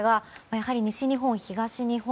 やはり西日本、東日本